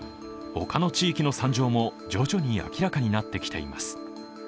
ほかの地域の惨状も徐々に明らかになってきています。